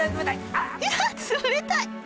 いや冷たい！